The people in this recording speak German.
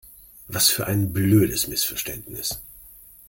Was für ein blödes Missverständnis!